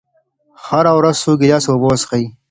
هره ورځ څو ګیلاسه اوبه وڅښئ.